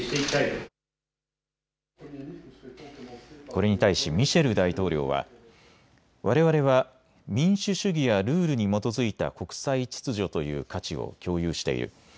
これに対しミシェル大統領は、われわれは民主主義やルールに基づいた国際秩序という価値を共有している。